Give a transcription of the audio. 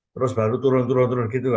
terus baru turun turun turun gitu